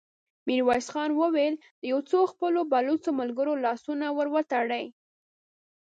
ميرويس خان وويل: د يو څو خپلو بلوڅو ملګرو لاسونه ور وتړئ!